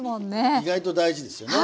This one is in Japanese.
意外と大事ですよね。